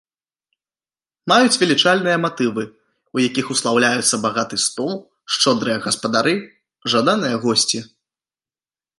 Маюць велічальныя матывы, у якіх услаўляюцца багаты стол, шчодрыя гаспадары, жаданыя госці.